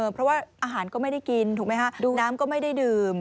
เพราะว่าอาหารก็ไม่ได้กินถูกไหมฮะน้ำก็ไม่ได้ดื่ม